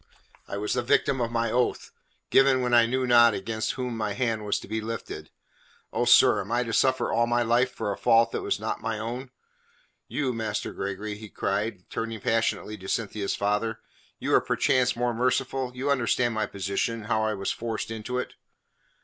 "I was the victim of my oath, given when I knew not against whom my hand was to be lifted. Oh, sir, am I to suffer all my life for a fault that was not my own? You, Master Gregory," he cried, turning passionately to Cynthia's father, "you are perchance more merciful? You understand my position how I was forced into it."